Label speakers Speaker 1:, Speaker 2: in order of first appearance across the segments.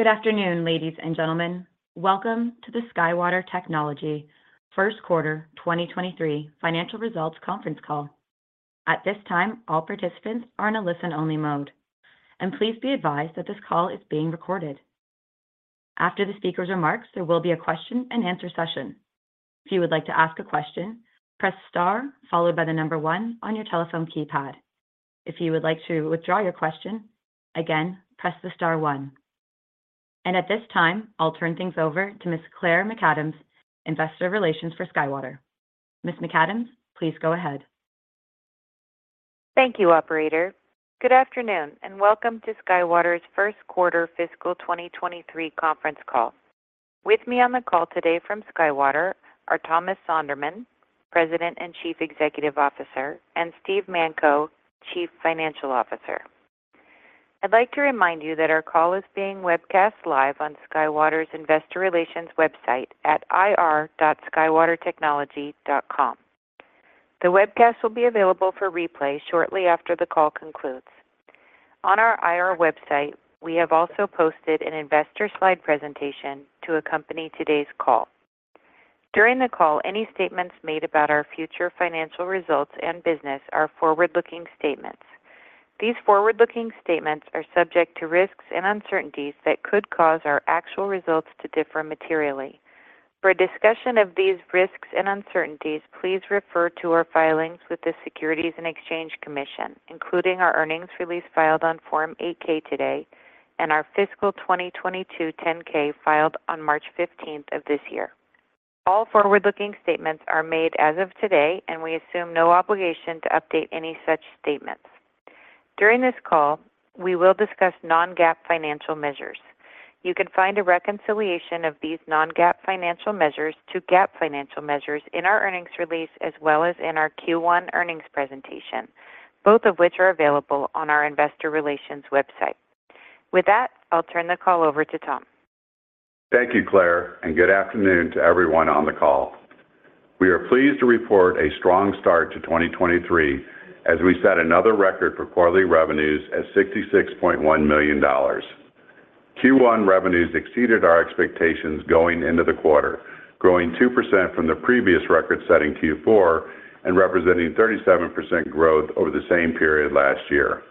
Speaker 1: Good afternoon, ladies and gentlemen. Welcome to the SkyWater Technology first quarter 2023 financial results Conference Call. At this time, all participants are in a listen-only mode. Please be advised that this call is being recorded. After the speaker's remarks, there will be a question-and-answer session. If you would like to ask a question, press star followed by one on your telephone keypad. If you would like to withdraw your question, again, press the star one. At this time, I'll turn things over to Ms. Claire McAdams, investor relations for SkyWater. Ms. McAdams, please go ahead.
Speaker 2: Thank you, operator. Good afternoon, and welcome to SkyWater's first quarter fiscal 2023 conference call. With me on the call today from SkyWater are Thomas Sonderman, President and Chief Executive Officer; and Steve Manko, Chief Financial Officer. I'd like to remind you that our call is being webcast live on SkyWater's investor relations website at ir.skywatertechnology.com. The webcast will be available for replay shortly after the call concludes. On our IR website, we have also posted an investor slide presentation to accompany today's call. During the call, any statements made about our future financial results and business are forward-looking statements. These forward-looking statements are subject to risks and uncertainties that could cause our actual results to differ materially. For a discussion of these risks and uncertainties, please refer to our filings with the Securities and Exchange Commission, including our earnings release filed on Form 8-K today, and our fiscal 2022 10-K filed on March f15th of this year. All forward-looking statements are made as of today. We assume no obligation to update any such statements. During this call, we will discuss Non-GAAP financial measures. You can find a reconciliation of these Non-GAAP financial measures to GAAP financial measures in our earnings release as well as in our Q1 earnings presentation, both of which are available on our investor relations website. With that, I'll turn the call over to Tom.
Speaker 3: Thank you, Claire. Good afternoon to everyone on the call. We are pleased to report a strong start to 2023 as we set another record for quarterly revenues at $66.1 million. Q1 revenues exceeded our expectations going into the quarter, growing 2% from the previous record-setting Q4 and representing 37% growth over the same period last year.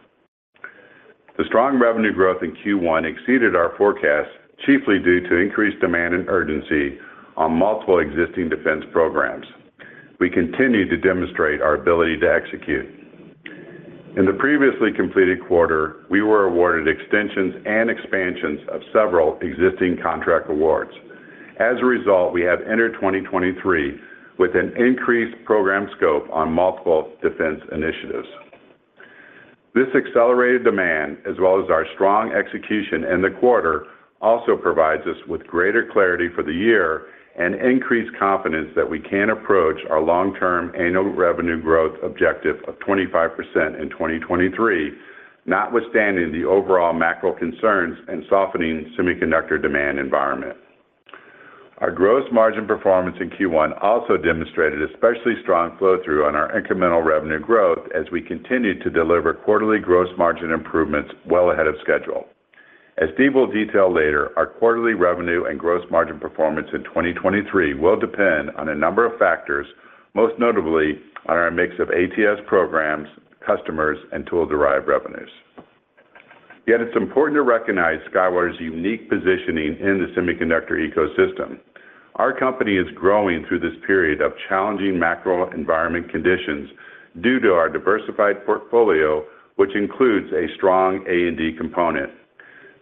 Speaker 3: The strong revenue growth in Q1 exceeded our forecast, chiefly due to increased demand and urgency on multiple existing defense programs. We continue to demonstrate our ability to execute. In the previously completed quarter, we were awarded extensions and expansions of several existing contract awards. As a result, we have entered 2023 with an increased program scope on multiple defense initiatives. This accelerated demand, as well as our strong execution in the quarter, also provides us with greater clarity for the year and increased confidence that we can approach our long-term annual revenue growth objective of 25% in 2023, notwithstanding the overall macro concerns and softening semiconductor demand environment. Our gross margin performance in Q1 also demonstrated especially strong flow-through on our incremental revenue growth as we continued to deliver quarterly gross margin improvements well ahead of schedule. As Steve will detail later, our quarterly revenue and gross margin performance in 2023 will depend on a number of factors, most notably on our mix of ATS programs, customers, and tool-derived revenues. It's important to recognize SkyWater's unique positioning in the semiconductor ecosystem. Our company is growing through this period of challenging macro environment conditions due to our diversified portfolio, which includes a strong A&D component.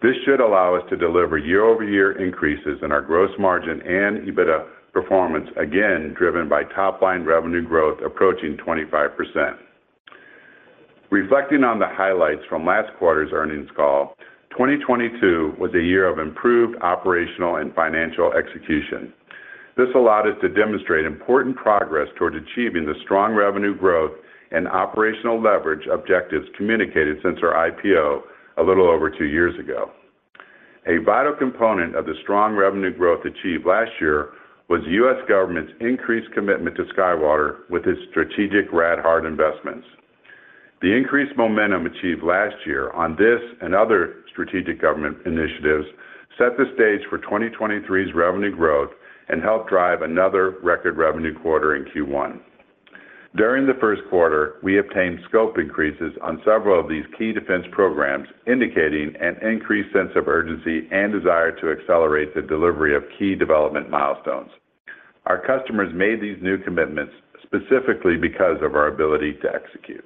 Speaker 3: This should allow us to deliver year-over-year increases in our gross margin and EBITDA performance, again, driven by top-line revenue growth approaching 25%. Reflecting on the highlights from last quarter's earnings call, 2022 was a year of improved operational and financial execution. This allowed us to demonstrate important progress toward achieving the strong revenue growth and operational leverage objectives communicated since our IPO a little over two years ago. A vital component of the strong revenue growth achieved last year was the U.S. government's increased commitment to SkyWater with its strategic Rad-Hard investments. The increased momentum achieved last year on this and other strategic government initiatives set the stage for 2023's revenue growth and helped drive another record revenue quarter in Q1. During the first quarter, we obtained scope increases on several of these key defense programs, indicating an increased sense of urgency and desire to accelerate the delivery of key development milestones. Our customers made these new commitments specifically because of our ability to execute.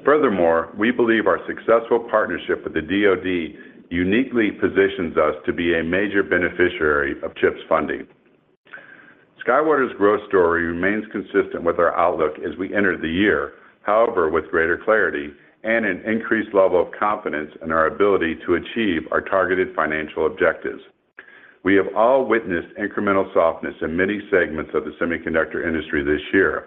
Speaker 3: We believe our successful partnership with the DoD uniquely positions us to be a major beneficiary of CHIPS funding. SkyWater's growth story remains consistent with our outlook as we enter the year, however, with greater clarity and an increased level of confidence in our ability to achieve our targeted financial objectives. We have all witnessed incremental softness in many segments of the semiconductor industry this year.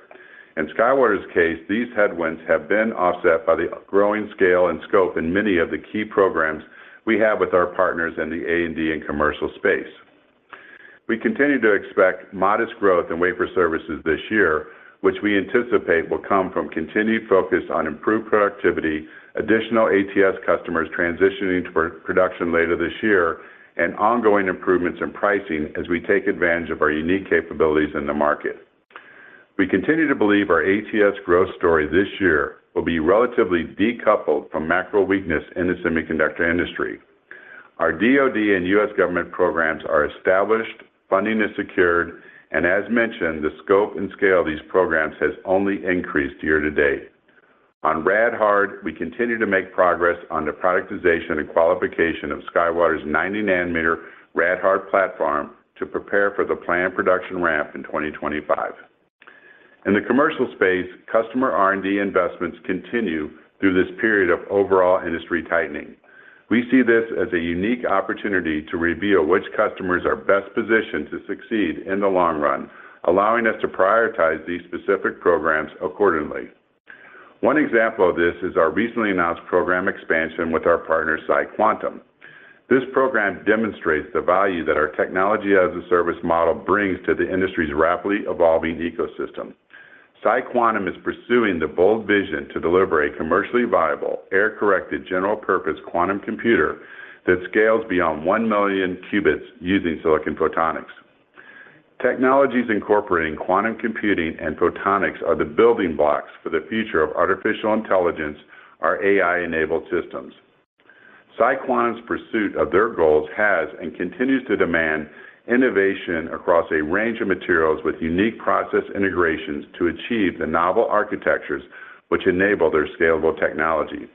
Speaker 3: In SkyWater's case, these headwinds have been offset by the growing scale and scope in many of the key programs we have with our partners in the A&D and commercial space. We continue to expect modest growth in wafer services this year, which we anticipate will come from continued focus on improved productivity, additional ATS customers transitioning to pro-production later this year, and ongoing improvements in pricing as we take advantage of our unique capabilities in the market. We continue to believe our ATS growth story this year will be relatively decoupled from macro weakness in the semiconductor industry. Our DoD and U.S. government programs are established, funding is secured, and as mentioned, the scope and scale of these programs has only increased year to date. On Rad-Hard, we continue to make progress on the productization and qualification of SkyWater's 90 nm Rad-Hard platform to prepare for the planned production ramp in 2025. In the commercial space, customer R&D investments continue through this period of overall industry tightening. We see this as a unique opportunity to reveal which customers are best positioned to succeed in the long run, allowing us to prioritize these specific programs accordingly. One example of this is our recently announced program expansion with our partner, PsiQuantum. This program demonstrates the value that our Technology as a Service model brings to the industry's rapidly evolving ecosystem. PsiQuantum is pursuing the bold vision to deliver a commercially viable, error-corrected, general-purpose quantum computer that scales beyond 1 million qubits using silicon photonics. Technologies incorporating quantum computing and photonics are the building blocks for the future of artificial intelligence, our AI-enabled systems. PsiQuantum's pursuit of their goals has and continues to demand innovation across a range of materials with unique process integrations to achieve the novel architectures which enable their scalable technology.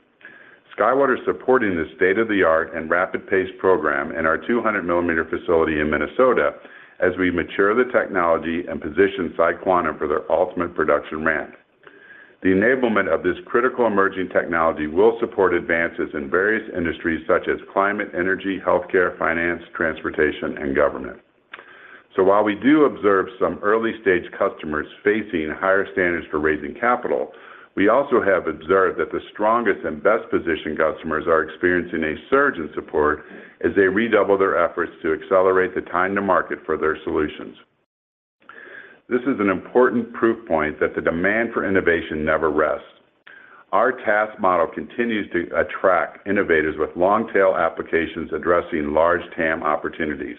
Speaker 3: SkyWater is supporting this state-of-the-art and rapid pace program in our 200 mm facility in Minnesota as we mature the technology and position PsiQuantum for their ultimate production ramp. The enablement of this critical emerging technology will support advances in various industries such as climate, energy, healthcare, finance, transportation, and government. While we do observe some early-stage customers facing higher standards for raising capital, we also have observed that the strongest and best-positioned customers are experiencing a surge in support as they redouble their efforts to accelerate the time to market for their solutions. This is an important proof point that the demand for innovation never rests. Our task model continues to attract innovators with long-tail applications addressing large TAM opportunities.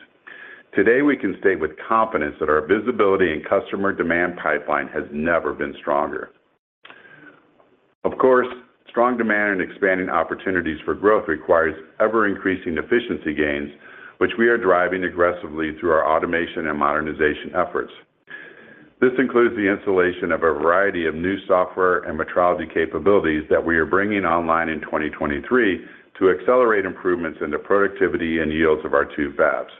Speaker 3: Today, we can state with confidence that our visibility and customer demand pipeline has never been stronger. Of course, strong demand and expanding opportunities for growth requires ever-increasing efficiency gains, which we are driving aggressively through our automation and modernization efforts. This includes the installation of a variety of new software and metrology capabilities that we are bringing online in 2023 to accelerate improvements in the productivity and yields of our two fabs.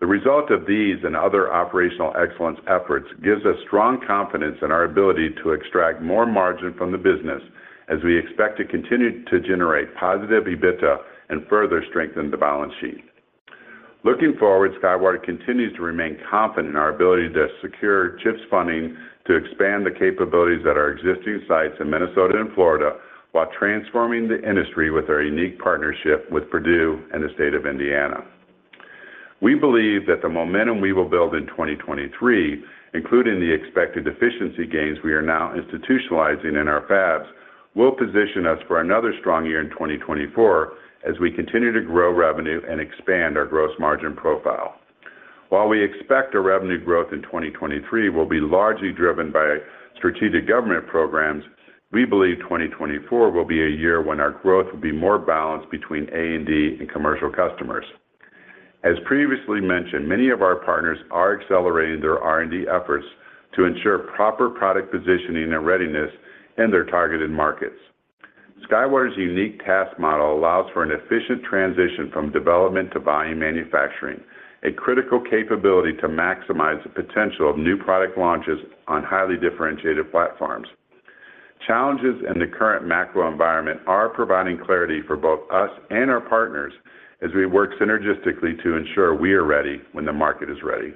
Speaker 3: The result of these and other operational excellence efforts gives us strong confidence in our ability to extract more margin from the business as we expect to continue to generate positive EBITDA and further strengthen the balance sheet. Looking forward, SkyWater continues to remain confident in our ability to secure CHIPS funding to expand the capabilities at our existing sites in Minnesota and Florida, while transforming the industry with our unique partnership with Purdue and the state of Indiana. We believe that the momentum we will build in 2023, including the expected efficiency gains we are now institutionalizing in our fabs, will position us for another strong year in 2024 as we continue to grow revenue and expand our gross margin profile. While we expect our revenue growth in 2023 will be largely driven by strategic government programs, we believe 2024 will be a year when our growth will be more balanced between A&D and commercial customers. As previously mentioned, many of our partners are accelerating their R&D efforts to ensure proper product positioning and readiness in their targeted markets. SkyWater's unique TaaS model allows for an efficient transition from development to volume manufacturing, a critical capability to maximize the potential of new product launches on highly differentiated platforms. Challenges in the current macro environment are providing clarity for both us and our partners as we work synergistically to ensure we are ready when the market is ready.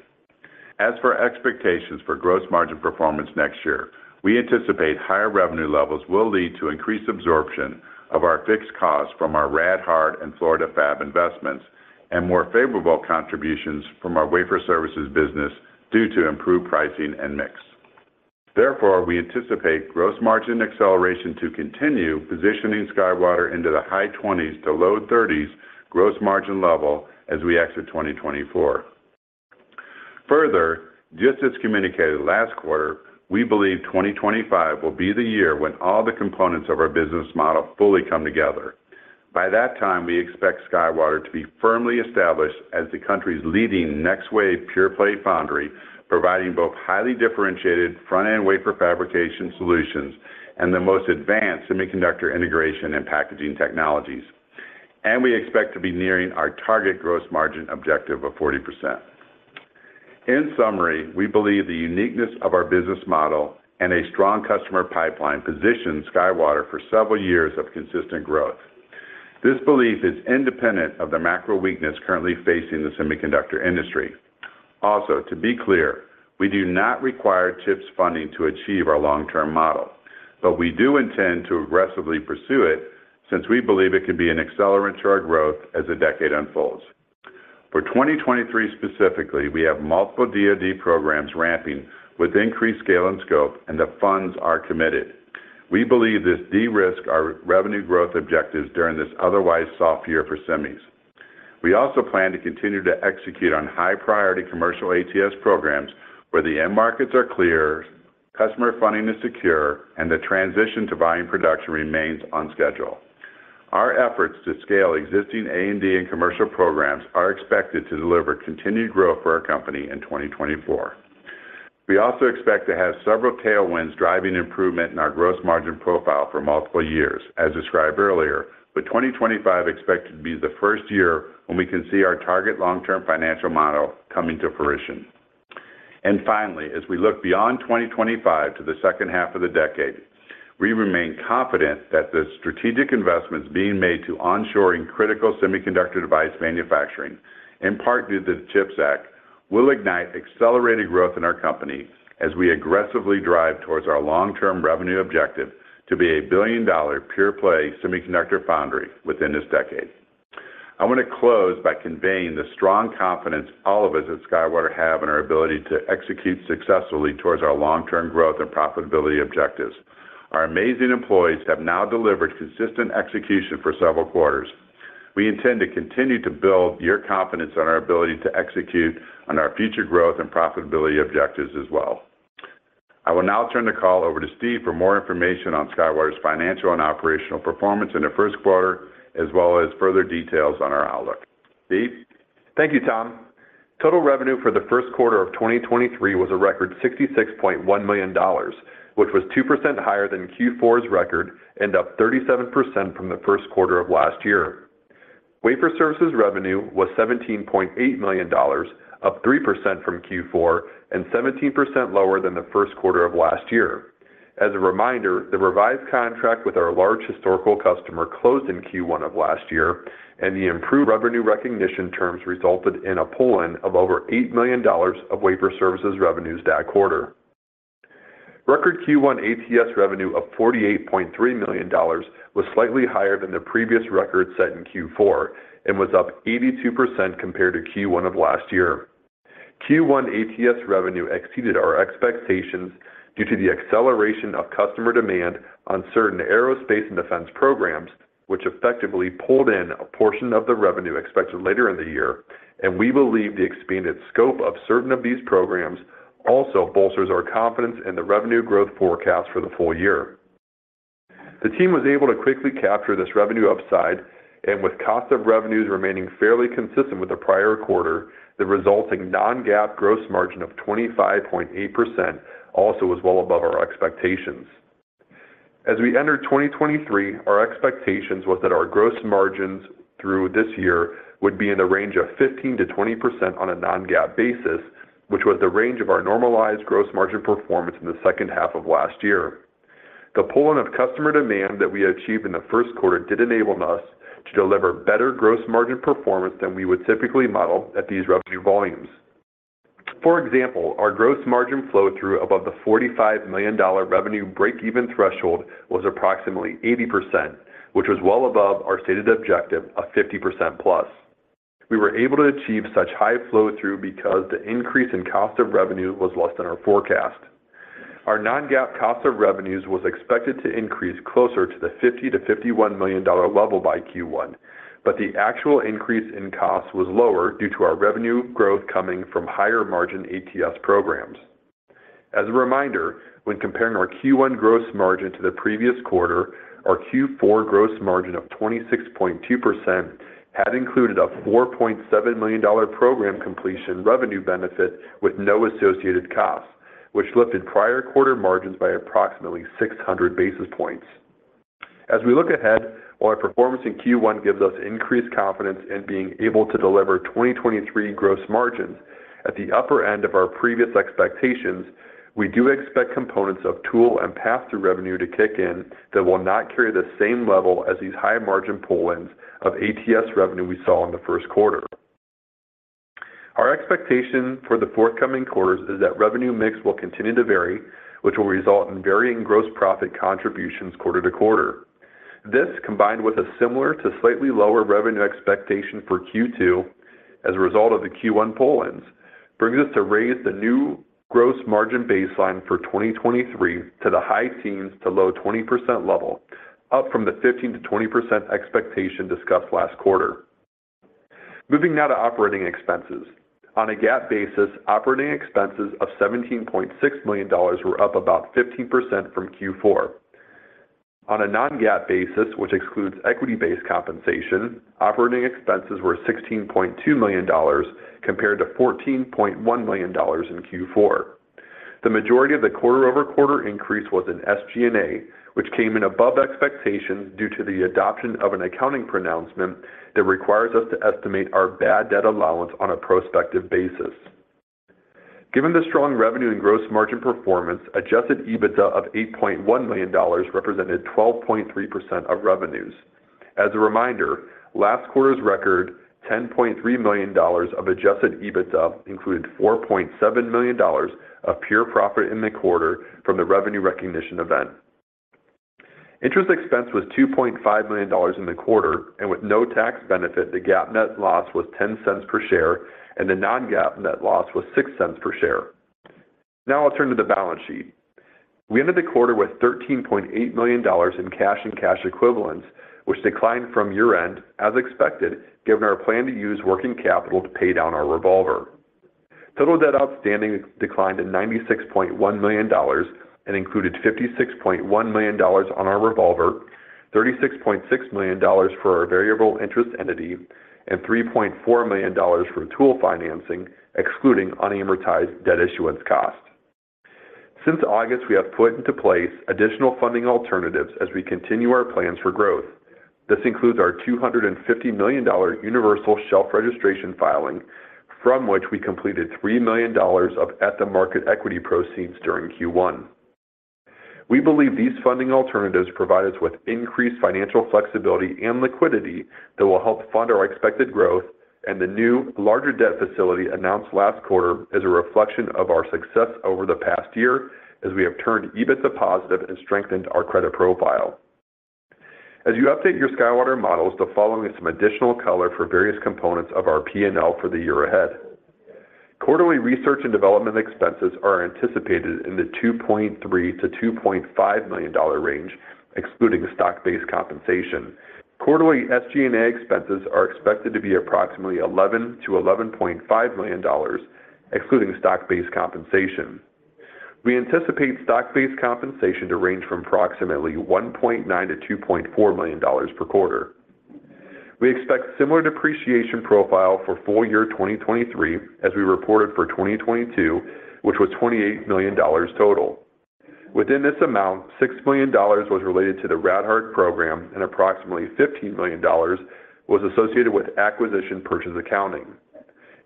Speaker 3: As for expectations for gross margin performance next year, we anticipate higher revenue levels will lead to increased absorption of our fixed costs from our RadHard and Florida fab investments and more favorable contributions from our wafer services business due to improved pricing and mix. Therefore, we anticipate gross margin acceleration to continue positioning SkyWater into the high twenties to low thirties gross margin level as we exit 2024. Just as communicated last quarter, we believe 2025 will be the year when all the components of our business model fully come together. By that time, we expect SkyWater to be firmly established as the country's leading next wave pure-play foundry, providing both highly differentiated front-end wafer fabrication solutions and the most advanced semiconductor integration and packaging technologies. We expect to be nearing our target gross margin objective of 40%. In summary, we believe the uniqueness of our business model and a strong customer pipeline positions SkyWater for several years of consistent growth. This belief is independent of the macro weakness currently facing the semiconductor industry. To be clear, we do not require CHIPS funding to achieve our long-term model. We do intend to aggressively pursue it since we believe it can be an accelerant to our growth as the decade unfolds. For 2023 specifically, we have multiple DoD programs ramping with increased scale and scope, and the funds are committed. We believe this de-risks our revenue growth objectives during this otherwise soft year for semis. We also plan to continue to execute on high priority commercial ATS programs where the end markets are clear, customer funding is secure, and the transition to volume production remains on schedule. Our efforts to scale existing A&D and commercial programs are expected to deliver continued growth for our company in 2024. We also expect to have several tailwinds driving improvement in our gross margin profile for multiple years, as described earlier, with 2025 expected to be the first year when we can see our target long-term financial model coming to fruition. Finally, as we look beyond 2025 to the second half of the decade, we remain confident that the strategic investments being made to onshoring critical semiconductor device manufacturing, in part due to the CHIPS Act, will ignite accelerated growth in our company as we aggressively drive towards our long-term revenue objective to be a billion-dollar pure-play semiconductor foundry within this decade. I want to close by conveying the strong confidence all of us at SkyWater have in our ability to execute successfully towards our long-term growth and profitability objectives. Our amazing employees have now delivered consistent execution for several quarters. We intend to continue to build your confidence on our ability to execute on our future growth and profitability objectives as well. I will now turn the call over to Steve for more information on SkyWater's financial and operational performance in the first quarter, as well as further details on our outlook. Steve?
Speaker 4: Thank you, Tom. Total revenue for the first quarter of 2023 was a record $66.1 million, which was 2% higher than Q4's record and up 37% from the first quarter of last year. Wafer Services revenue was $17.8 million, up 3% from Q4, and 17% lower than the first quarter of last year. As a reminder, the revised contract with our large historical customer closed in Q1 of last year, and the improved revenue recognition terms resulted in a pull-in of over $8 million of Wafer Services revenues that quarter. Record Q1 ATS revenue of $48.3 million was slightly higher than the previous record set in Q4 and was up 82% compared to Q1 of last year. Q1 ATS revenue exceeded our expectations due to the acceleration of customer demand on certain aerospace and defense programs, which effectively pulled in a portion of the revenue expected later in the year. We believe the expanded scope of certain of these programs also bolsters our confidence in the revenue growth forecast for the full year. The team was able to quickly capture this revenue upside, and with cost of revenues remaining fairly consistent with the prior quarter, the resulting Non-GAAP gross margin of 25.8% also was well above our expectations. As we entered 2023, our expectations was that our gross margins through this year would be in the range of 15%-20% on a Non-GAAP basis, which was the range of our normalized gross margin performance in the second half of last year. The pull-in of customer demand that we achieved in the first quarter did enable us to deliver better gross margin performance than we would typically model at these revenue volumes. For example, our gross margin flow through above the $45 million revenue breakeven threshold was approximately 80%, which was well above our stated objective of 50%+. We were able to achieve such high flow through because the increase in cost of revenue was less than our forecast. Our Non-GAAP cost of revenues was expected to increase closer to the $50 million-$51 million level by Q1, but the actual increase in costs was lower due to our revenue growth coming from higher margin ATS programs. As a reminder, when comparing our Q1 gross margin to the previous quarter, our Q4 gross margin of 26.2% had included a $4.7 million program completion revenue benefit with no associated costs, which lifted prior quarter margins by approximately 600 basis points. As we look ahead, while our performance in Q1 gives us increased confidence in being able to deliver 2023 gross margins at the upper end of our previous expectations, we do expect components of tool and pass-through revenue to kick in that will not carry the same level as these high margin pull-ins of ATS revenue we saw in the first quarter. Our expectation for the forthcoming quarters is that revenue mix will continue to vary, which will result in varying gross profit contributions quarter to quarter. This, combined with a similar to slightly lower revenue expectation for Q2 as a result of the Q1 pull-ins, brings us to raise the new gross margin baseline for 2023 to the high teens to low 20% level, up from the 15%-20% expectation discussed last quarter. Moving now to operating expenses. On a GAAP basis, operating expenses of $17.6 million were up about 15% from Q4. On a Non-GAAP basis, which excludes equity-based compensation, operating expenses were $16.2 million compared to $14.1 million in Q4. The majority of the quarter-over-quarter increase was in SG&A, which came in above expectations due to the adoption of an accounting pronouncement that requires us to estimate our bad debt allowance on a prospective basis. Given the strong revenue and gross margin performance, adjusted EBITDA of $8.1 million represented 12.3% of revenues. As a reminder, last quarter's record, $10.3 million of adjusted EBITDA included $4.7 million of pure profit in the quarter from the revenue recognition event. Interest expense was $2.5 million in the quarter, and with no tax benefit, the GAAP net loss was $0.10 per share, and the Non-GAAP net loss was $0.06 per share. Now I'll turn to the balance sheet. We ended the quarter with $13.8 million in cash and cash equivalents, which declined from year-end, as expected, given our plan to use working capital to pay down our revolver. Total debt outstanding declined to $96.1 million and included $56.1 million on our revolver, $36.6 million for our variable interest entity, and $3.4 million from tool financing, excluding unamortized debt issuance costs. Since August, we have put into place additional funding alternatives as we continue our plans for growth. This includes our $250 million universal shelf registration filing, from which we completed $3 million of at-the-market equity proceeds during Q1. We believe these funding alternatives provide us with increased financial flexibility and liquidity that will help fund our expected growth, and the new larger debt facility announced last quarter is a reflection of our success over the past year as we have turned EBITDA positive and strengthened our credit profile. As you update your SkyWater models, the following is some additional color for various components of our P&L for the year ahead. Quarterly research and development expenses are anticipated in the $2.3 million-$2.5 million range, excluding stock-based compensation. Quarterly SG&A expenses are expected to be approximately $11 million-$11.5 million, excluding stock-based compensation. We anticipate stock-based compensation to range from approximately $1.9 million-$2.4 million per quarter. We expect similar depreciation profile for full year 2023, as we reported for 2022, which was $28 million total. Within this amount, $6 million was related to the RadHard program, and approximately $15 million was associated with acquisition purchase accounting.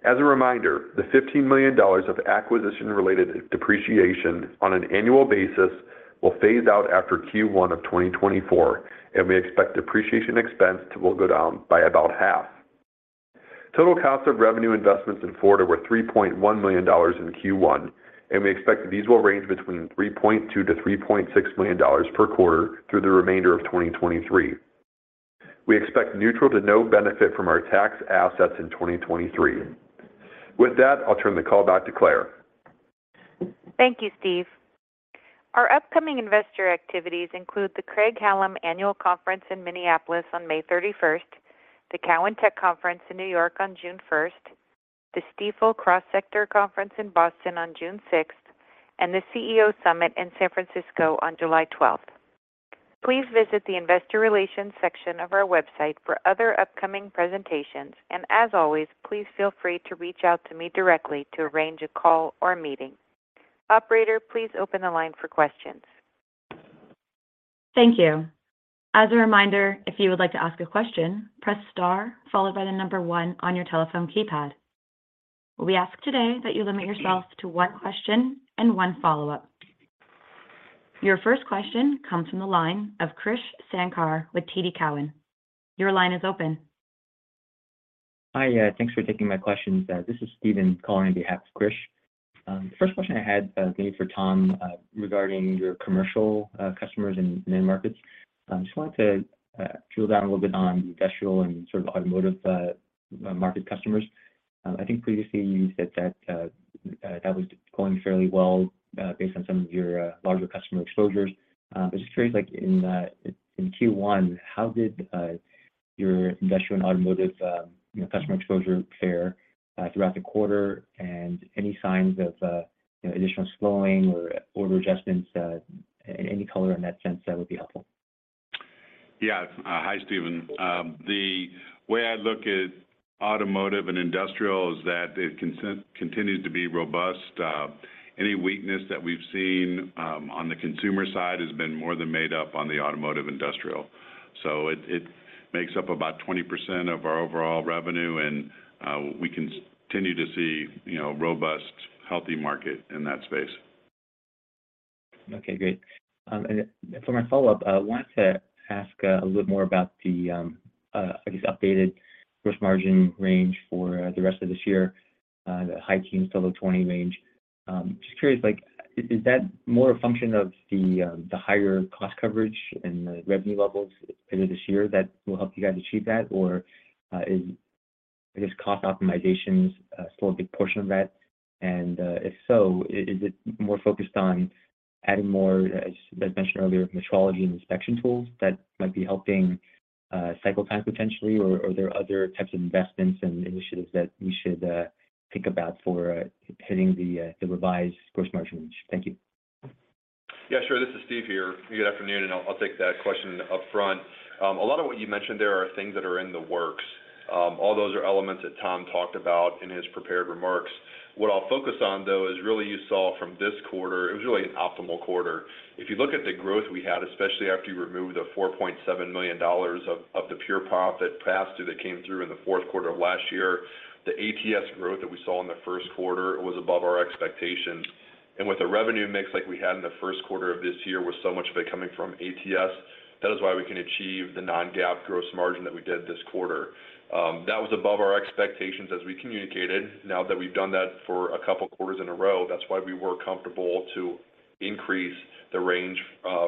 Speaker 4: As a reminder, the $15 million of acquisition-related depreciation on an annual basis will phase out after Q1 of 2024. We expect depreciation expense will go down by about half. Total cost of revenue investments in Florida were $3.1 million in Q1. We expect these will range between $3.2 million-$3.6 million per quarter through the remainder of 2023. We expect neutral to no benefit from our tax assets in 2023. With that, I'll turn the call back to Claire.
Speaker 2: Thank you, Steve. Our upcoming investor activities include the Craig-Hallum Annual Conference in Minneapolis on May 31st, the Cowen Tech Conference in New York on June 1st, the Stifel Cross Sector Conference in Boston on June 6th, and the CEO Summit in San Francisco on July 12th. Please visit the investor relations section of our website for other upcoming presentations, and as always, please feel free to reach out to me directly to arrange a call or a meeting. Operator, please open the line for questions.
Speaker 1: Thank you. As a reminder, if you would like to ask a question, press star followed by the number one on your telephone keypad. We ask today that you limit yourself to one question and one follow-up. Your first question comes from the line of Krish Sankar with TD Cowen. Your line is open.
Speaker 5: Hi. Thanks for taking my questions. This is Steven calling on behalf of Krish. First question I had, maybe for Tom, regarding your commercial customers in end markets. Just wanted to drill down a little bit on industrial and sort of automotive market customers. I think previously you said that that was going fairly well, based on some of your larger customer exposures. Just curious, like in Q1, how did your industrial and automotive, you know, customer exposure fare throughout the quarter and any signs of, you know, additional slowing or order adjustments? Any color in that sense that would be helpful.
Speaker 4: Yeah. Hi, Steven. The way I look at automotive and industrial is that it continues to be robust. Any weakness that we've seen, on the consumer side has been more than made up on the automotive industrial. It makes up about 20% of our overall revenue, and, we continue to see, you know, robust, healthy market in that space.
Speaker 5: or my follow-up, I wanted to ask a little more about the updated gross margin range for the rest of this year, the high teens to low 20% range. Just curious, is that more a function of the higher cost coverage and the revenue levels into this year that will help you guys achieve that? Or is cost optimizations still a big portion of that? And if so, is it more focused on adding more as mentioned earlier, metrology and inspection tools that might be helping cycle time potentially? Or are there other types of investments and initiatives that we should think about for hitting the revised gross margin range? Thank you.
Speaker 4: Yeah, sure. This is Steve here. Good afternoon, and I'll take that question up front. A lot of what you mentioned there are things that are in the works. All those are elements that Tom talked about in his prepared remarks. What I'll focus on though is really you saw from this quarter, it was really an optimal quarter. If you look at the growth we had, especially after you remove the $4.7 million of the pure profit passed through that came through in the fourth quarter of last year, the ATS growth that we saw in the first quarter was above our expectations. With the revenue mix like we had in the first quarter of this year, with so much of it coming from ATS, that is why we can achieve the non-GAAP gross margin that we did this quarter. That was above our expectations as we communicated. Now that we've done that for a couple of quarters in a row, that's why we were comfortable to increase the range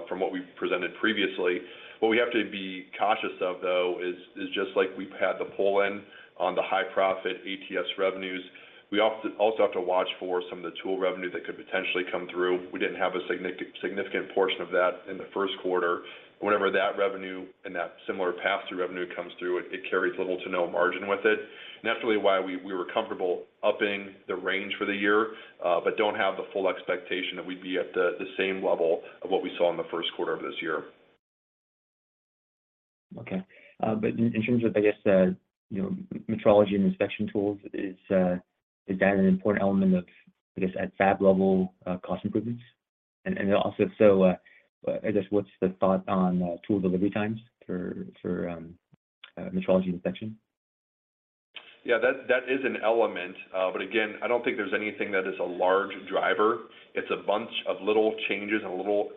Speaker 4: from what we presented previously. What we have to be cautious of, though, is just like we've had the pull-in on the high profit ATS revenues, we also have to watch for some of the tool revenue that could potentially come through. We didn't have a significant portion of that in the first quarter. Whenever that revenue and that similar pass-through revenue comes through, it carries little to no margin with it. That's really why we were comfortable upping the range for the year, but don't have the full expectation that we'd be at the same level of what we saw in the first quarter of this year.
Speaker 5: Okay. In terms of, I guess, the, you know, metrology and inspection tools, is that an important element of, I guess, at fab level, cost improvements? Also, so, I guess, what's the thought on, tool delivery times for metrology inspection?
Speaker 4: Yeah, that is an element. But again, I don't think there's anything that is a large driver. It's a bunch of little changes and little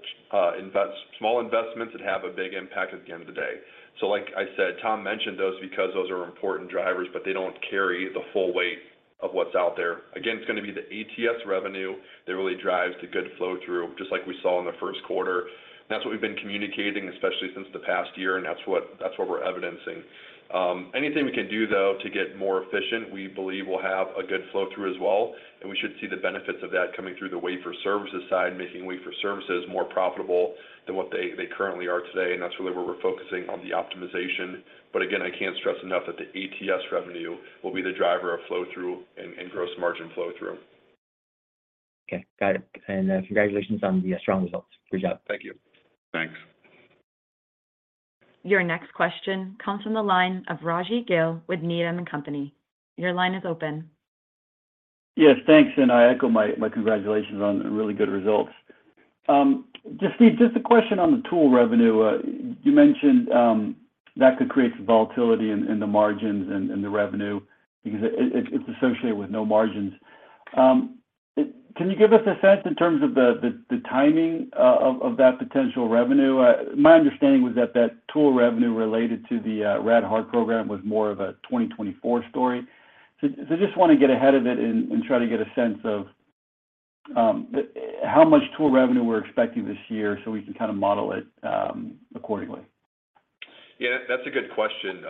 Speaker 4: small investments that have a big impact at the end of the day. Like I said, Tom mentioned those because those are important drivers, but they don't carry the full weight of what's out there. Again, it's gonna be the ATS revenue that really drives the good flow-through, just like we saw in the first quarter. That's what we've been communicating, especially since the past year, and that's what we're evidencing. Anything we can do, though, to get more efficient, we believe will have a good flow-through as well, and we should see the benefits of that coming through the wafer services side, making wafer services more profitable than what they currently are today. That's really where we're focusing on the optimization. Again, I can't stress enough that the ATS revenue will be the driver of flow-through and gross margin flow-through.
Speaker 5: Okay. Got it. Congratulations on the strong results. Great job.
Speaker 4: Thank you. Thanks.
Speaker 1: Your next question comes from the line of Rajvindra Gill with Needham & Company. Your line is open.
Speaker 6: Yes, thanks. I echo my congratulations on the really good results. Just Steve, just a question on the tool revenue. You mentioned that could create some volatility in the margins and the revenue because it's associated with no margins. Can you give us a sense in terms of the timing of that potential revenue? My understanding was that tool revenue related to the Rad-Hard program was more of a 2024 story. Just wanna get ahead of it and try to get a sense of how much tool revenue we're expecting this year, so we can kind of model it accordingly.
Speaker 4: Yeah, that's a good question.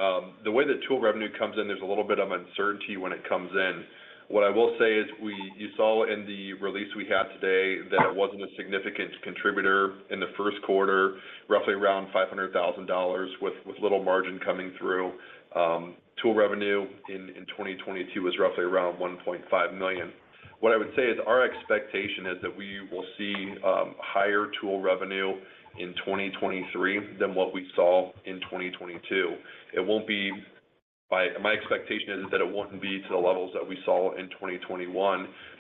Speaker 4: The way the tool revenue comes in, there's a little bit of uncertainty when it comes in. What I will say is you saw in the release we had today that it wasn't a significant contributor in the first quarter, roughly around $500,000 with little margin coming through. Tool revenue in 2022 was roughly around $1.5 million. What I would say is our expectation is that we will see higher tool revenue in 2023 than what we saw in 2022. My expectation is that it wouldn't be to the levels that we saw in 2021,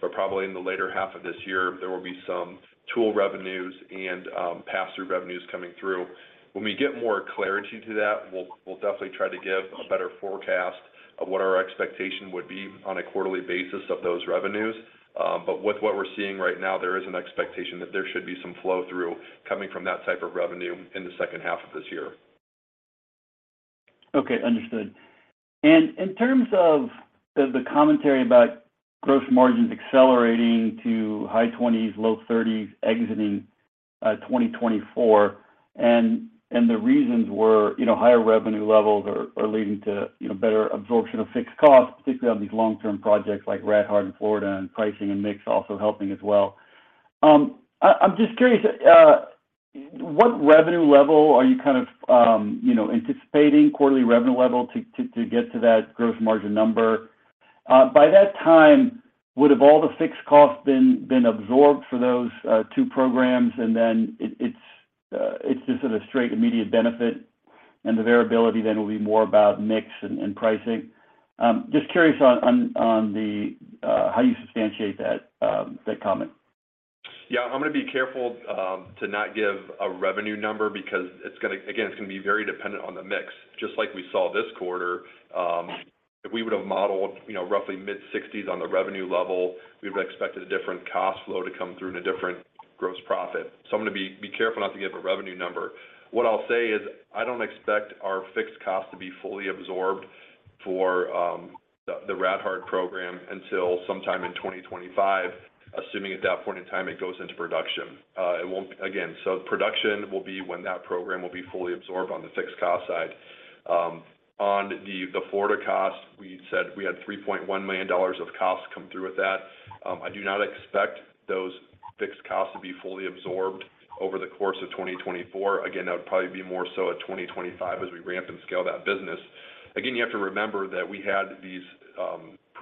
Speaker 4: but probably in the later half of this year, there will be some tool revenues and pass-through revenues coming through. We get more clarity to that, we'll definitely try to give a better forecast of what our expectation would be on a quarterly basis of those revenues. With what we're seeing right now, there is an expectation that there should be some flow-through coming from that type of revenue in the second half of this year.
Speaker 6: Okay. Understood. In terms of the commentary about gross margins accelerating to high 20s, low 30s, exiting 2024, the reasons were, you know, higher revenue levels are leading to, you know, better absorption of fixed costs, particularly on these long-term projects like RadHard in Florida and pricing and mix also helping as well. I'm just curious, what revenue level are you kind of, you know, anticipating, quarterly revenue level to get to that gross margin number? By that time, would have all the fixed costs been absorbed for those two programs and then it's just at a straight immediate benefit, and the variability then will be more about mix and pricing? Just curious on the how you substantiate that comment.
Speaker 4: I'm gonna be careful to not give a revenue number because it's gonna, again, it's gonna be very dependent on the mix. Just like we saw this quarter, if we would have modeled, you know, roughly mid-60s on the revenue level, we would have expected a different cost flow to come through and a different gross profit. I'm gonna be careful not to give a revenue number. What I'll say is, I don't expect our fixed cost to be fully absorbed for the RadHard program until sometime in 2025, assuming at that point in time it goes into production. Production will be when that program will be fully absorbed on the fixed cost side. On the Florida cost, we said we had $3.1 million of costs come through with that. I do not expect those fixed costs to be fully absorbed over the course of 2024. That would probably be more so at 2025 as we ramp and scale that business. You have to remember that we had these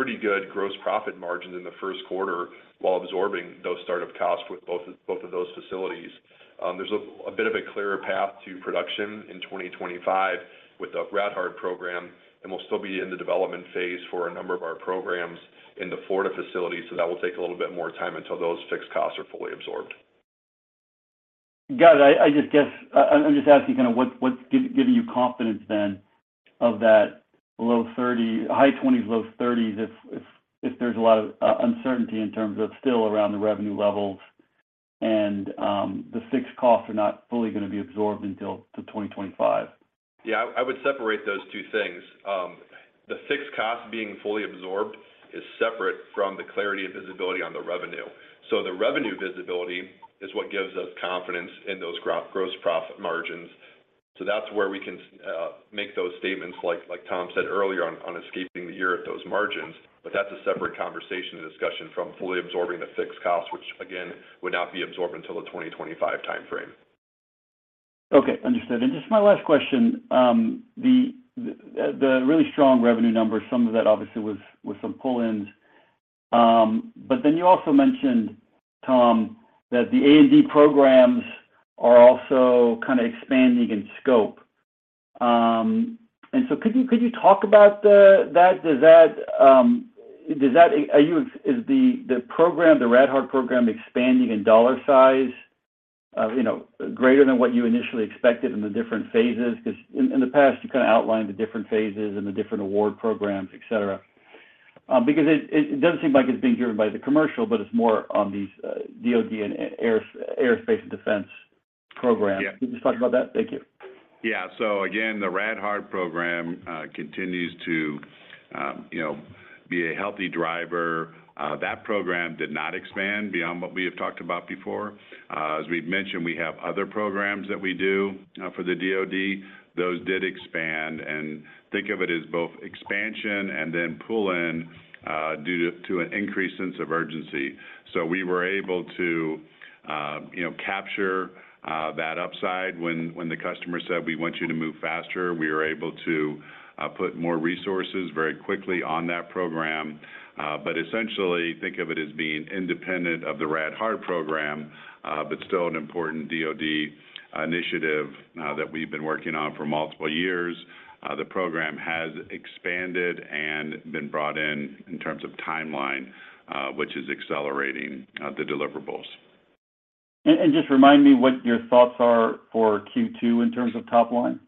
Speaker 4: pretty good gross profit margins in the first quarter while absorbing those startup costs with both of those facilities. There's a bit of a clearer path to production in 2025 with the Rad-Hard program, and we'll still be in the development phase for a number of our programs in the Florida facility, so that will take a little bit more time until those fixed costs are fully absorbed.
Speaker 6: Got it. I just guess I'm just asking kind of what's giving you confidence then of that high 20s, low 30s if there's a lot of uncertainty in terms of still around the revenue levels and the fixed costs are not fully gonna be absorbed until 2025?
Speaker 4: Yeah, I would separate those two things. The fixed cost being fully absorbed is separate from the clarity and visibility on the revenue. The revenue visibility is what gives us confidence in those gross profit margins. That's where we can make those statements like Tom said earlier on escaping the year at those margins. That's a separate conversation and discussion from fully absorbing the fixed cost, which again, would not be absorbed until the 2025 timeframe.
Speaker 6: Okay, understood. Just my last question, the really strong revenue numbers, some of that obviously was some pull-ins. You also mentioned, Tom, that the A&D programs are also kind of expanding in scope. Could you talk about that? Does that Is the program, the RadHard program expanding in dollar size, you know, greater than what you initially expected in the different phases? In the past, you kind of outlined the different phases and the different award programs, et cetera. It doesn't seem like it's being driven by the commercial, but it's more on these, DoD and Aerospace and Defense programs.
Speaker 3: Yeah.
Speaker 6: Can you just talk about that? Thank you.
Speaker 3: Again, the RadHard program continues to, you know, be a healthy driver. That program did not expand beyond what we have talked about before. As we've mentioned, we have other programs that we do for the DoD. Those did expand, and think of it as both expansion and then pull-in due to an increased sense of urgency. We were able to, you know, capture that upside when the customer said, "We want you to move faster," we were able to put more resources very quickly on that program. Essentially, think of it as being independent of the RadHard program, but still an important DoD initiative that we've been working on for multiple years. The program has expanded and been brought in in terms of timeline, which is accelerating the deliverables.
Speaker 6: Just remind me what your thoughts are for Q2 in terms of top line?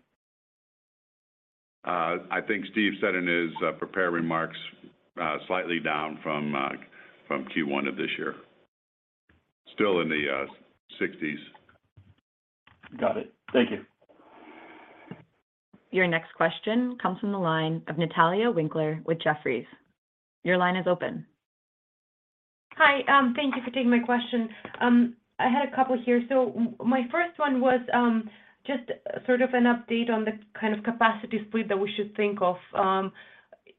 Speaker 3: I think Steve said in his prepared remarks, slightly down from Q1 of this year. Still in the 60s.
Speaker 6: Got it. Thank you.
Speaker 1: Your next question comes from the line of Natalia Winkler with Jefferies. Your line is open.
Speaker 7: Hi. Thank you for taking my question. I had a couple here. My first one was just sort of an update on the kind of capacity split that we should think of.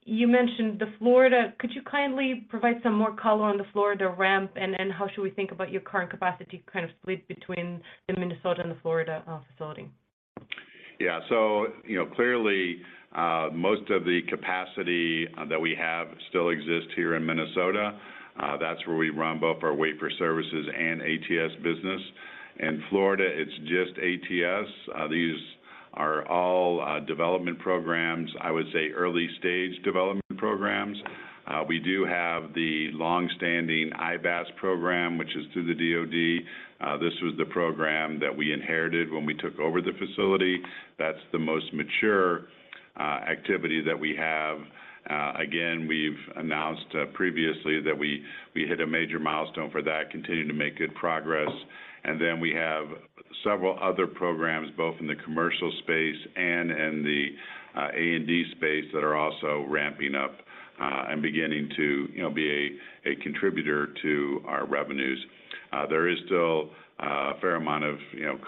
Speaker 7: You mentioned the Florida. Could you kindly provide some more color on the Florida ramp, and how should we think about your current capacity kind of split between the Minnesota and the Florida facility?
Speaker 3: Yeah. You know, clearly, most of the capacity that we have still exists here in Minnesota. That's where we run both our wafer services and ATS business. In Florida, it's just ATS. These are all development programs, I would say early-stage development programs. We do have the long-standing IBAS program, which is through the DoD. This was the program that we inherited when we took over the facility. That's the most mature activity that we have. Again, we've announced previously that we hit a major milestone for that, continuing to make good progress. Then we have several other programs, both in the commercial space and in the A&D space, that are also ramping up and beginning to, you know, be a contributor to our revenues. There is still a fair amount of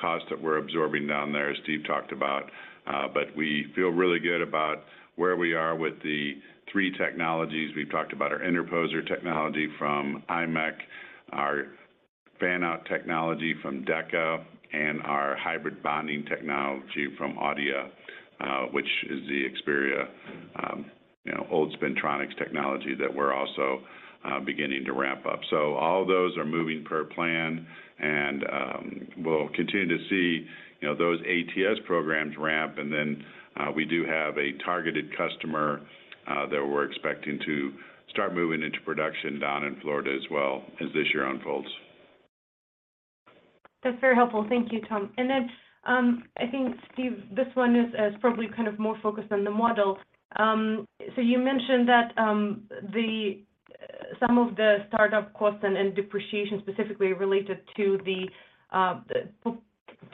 Speaker 3: cost that we're absorbing down there, as Steve talked about. We feel really good about where we are with the three technologies. We've talked about our interposer technology from imec, our fan-out technology from Deca, and our hybrid bonding technology from Adeia, which is the Xperi, old Spintronics technology that we're also beginning to ramp up. All those are moving per plan, and we'll continue to see those ATS programs ramp, and then we do have a targeted customer that we're expecting to start moving into production down in Florida as well as this year unfolds.
Speaker 7: That's very helpful. Thank you, Tom. I think, Steve, this one is probably kind of more focused on the model. You mentioned that some of the startup costs and depreciation specifically related to the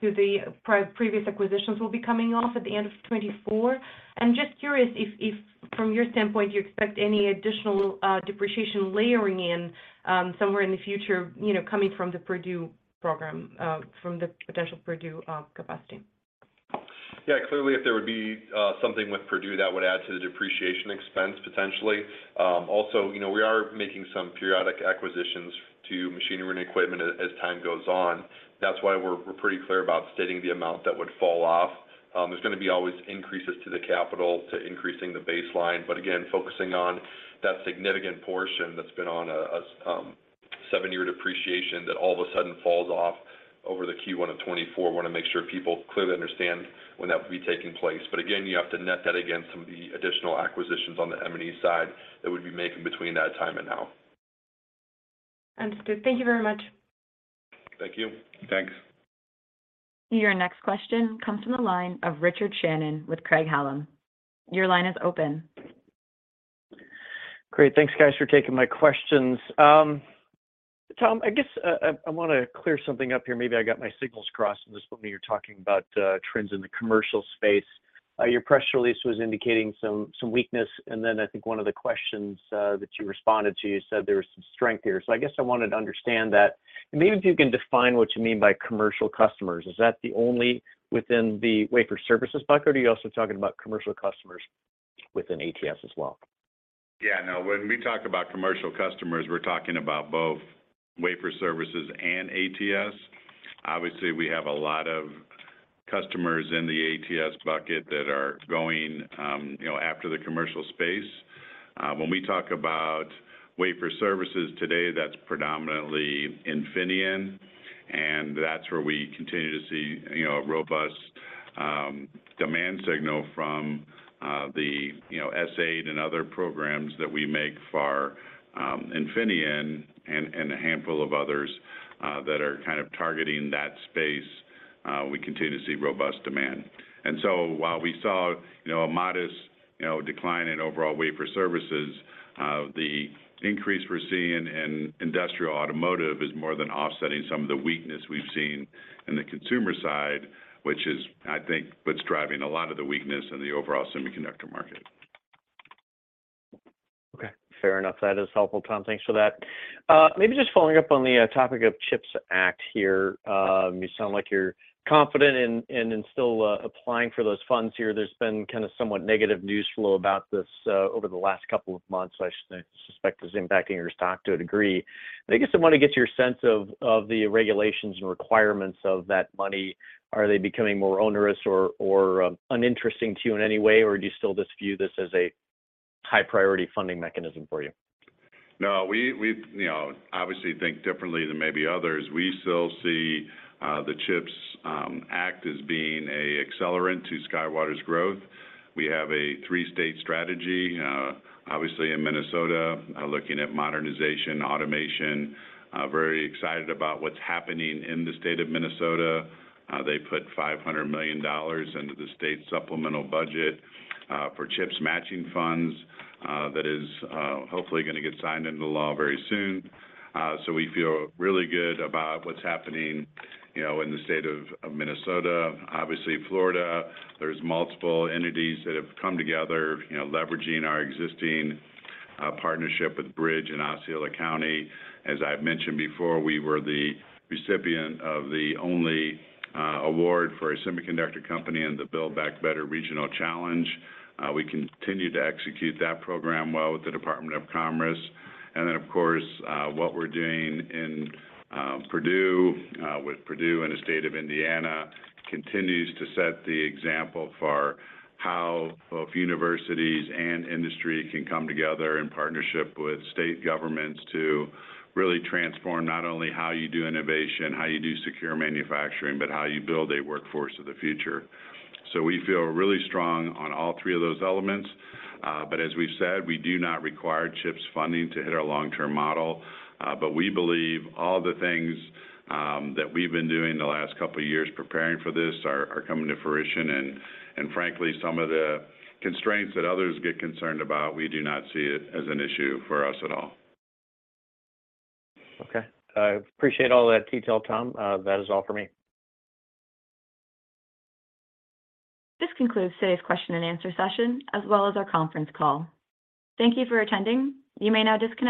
Speaker 7: previous acquisitions will be coming off at the end of 2024. I'm just curious if from your standpoint, you expect any additional depreciation layering in somewhere in the future, you know, coming from the Purdue program, from the potential Purdue capacity.
Speaker 4: Clearly, if there would be something with Purdue, that would add to the depreciation expense potentially. You know, we are making some periodic acquisitions to machinery and equipment as time goes on. That's why we're pretty clear about stating the amount that would fall off. There's gonna be always increases to the capital to increasing the baseline, again, focusing on that significant portion that's been on a seven-year depreciation that all of a sudden falls off over the Q1 of 2024. Wanna make sure people clearly understand when that will be taking place. You have to net that against some of the additional acquisitions on the M&E side that we'd be making between that time and now.
Speaker 7: Understood. Thank you very much.
Speaker 3: Thank you. Thanks.
Speaker 1: Your next question comes from the line of Richard Shannon with Craig-Hallum. Your line is open.
Speaker 8: Great. Thanks guys for taking my questions. Tom, I guess, I wanna clear something up here. Maybe I got my signals crossed when you were talking about trends in the commercial space. Your press release was indicating some weakness, and then I think one of the questions that you responded to, you said there was some strength here. I guess I wanted to understand that. Maybe if you can define what you mean by commercial customers. Is that the only within the wafer services bucket, or are you also talking about commercial customers within ATS as well?
Speaker 3: Yeah, no, when we talk about commercial customers, we're talking about both wafer services and ATS. Obviously, we have a lot of customers in the ATS bucket that are going, you know, after the commercial space. When we talk about wafer services today, that's predominantly Infineon, and that's where we continue to see, you know, a robust demand signal from the, you know, S8 and other programs that we make for Infineon and a handful of others that are kind of targeting that space. We continue to see robust demand. While we saw, you know, a modest, you know, decline in overall wafer services, the increase we're seeing in industrial automotive is more than offsetting some of the weakness we've seen in the consumer side, which is, I think, what's driving a lot of the weakness in the overall semiconductor market.
Speaker 8: Okay. Fair enough. That is helpful, Tom. Thanks for that. Maybe just following up on the topic of CHIPS Act here. You sound like you're confident in still applying for those funds here. There's been kind of somewhat negative news flow about this over the last couple of months, which I suspect is impacting your stock to a degree. I guess I wanna get your sense of the regulations and requirements of that money. Are they becoming more onerous or uninteresting to you in any way, or do you still just view this as a high priority funding mechanism for you?
Speaker 3: No, we, you know, obviously think differently than maybe others. We still see the CHIPS Act as being a accelerant to SkyWater's growth. We have a three-state strategy. Obviously in Minnesota, looking at modernization, automation. Very excited about what's happening in the state of Minnesota. They put $500 million into the state supplemental budget for CHIPS matching funds. That is hopefully gonna get signed into law very soon. We feel really good about what's happening, you know, in the state of Minnesota. Obviously, Florida, there's multiple entities that have come together, you know, leveraging our existing partnership with BRIDG in Osceola County. As I've mentioned before, we were the recipient of the only award for a semiconductor company in the Build Back Better Regional Challenge. We continue to execute that program well with the Department of Commerce. Of course, what we're doing in Purdue, with Purdue and the state of Indiana continues to set the example for how both universities and industry can come together in partnership with state governments to really transform not only how you do innovation, how you do secure manufacturing, but how you build a workforce of the future. We feel really strong on all three of those elements. As we've said, we do not require CHIPS funding to hit our long-term model. We believe all the things that we've been doing the last couple years preparing for this are coming to fruition. Frankly, some of the constraints that others get concerned about, we do not see it as an issue for us at all.
Speaker 8: Okay. I appreciate all that detail, Tom. That is all for me.
Speaker 1: This concludes today's question and answer session, as well as our conference call. Thank you for attending. You may now disconnect.